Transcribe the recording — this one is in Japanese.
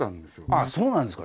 ああそうなんですか。